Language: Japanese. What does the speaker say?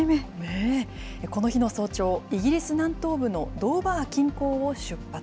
この日の早朝、イギリス南東部のドーバー近郊を出発。